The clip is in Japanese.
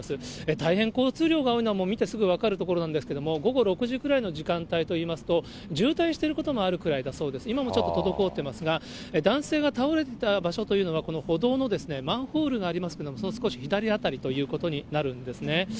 大変交通量が多いのは見てすぐ分かる所なんですけれども、午後６時くらいの時間帯といいますと、渋滞していることもあるくらいだそうです。今もちょっと滞ってますが、男性が倒れていた場所というのは、この歩道のマンホールがありますけれども、その少し左辺りということになるんですね。